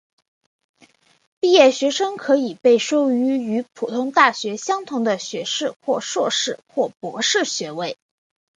毕业学生可以被授予与普通大学相同的学士或硕士或博士学位。